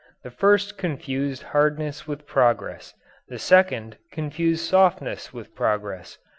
The first confused hardness with progress; the second confused softness with progress.